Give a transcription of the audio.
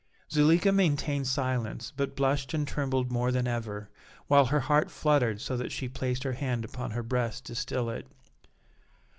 Zuleika maintained silence, but blushed and trembled more than ever, while her heart fluttered so that she placed her hand upon her breast to still it.